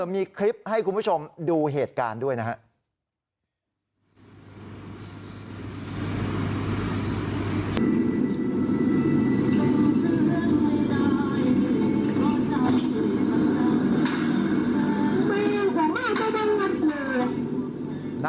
มีคลิปให้คุณผู้ชมดูเหตุการณ์ด้วยนะฮะ